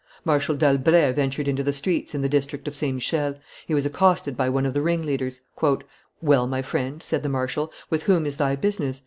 Marshal d'Albret ventured into the streets in the district of St. Michel; he was accosted by one of the ringleaders. "Well, my friend," said the marshal, "with whom is thy business?